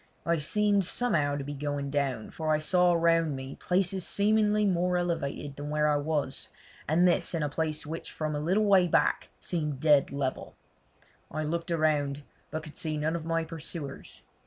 I seemed somehow to be going down, for I saw round me places seemingly more elevated than where I was, and this in a place which from a little way back seemed dead level. I looked around, but could see none of my pursuers.